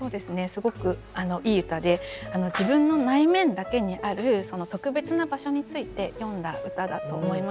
すごくいい歌で自分の内面だけにある特別な場所について詠んだ歌だと思いました。